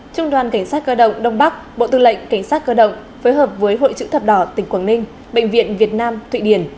trung đoàn cảnh sát cơ động đông bắc bộ tư lệnh cảnh sát cơ động phối hợp với hội chữ thập đỏ tỉnh quảng ninh bệnh viện việt nam thụy điển